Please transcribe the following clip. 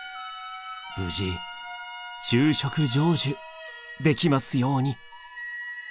無事就職成就できますように。